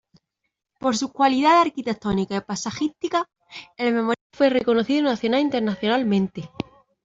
Por sus cualidades arquitectónicas y paisajísticas, el Memorial fue reconocido nacional e internacionalmente.